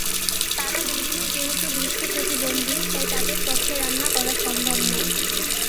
তাঁরা দুজনই যেহেতু দৃষ্টিপ্রতিবন্ধী, তাই তাঁদের পক্ষে রান্না করা সম্ভব নয়।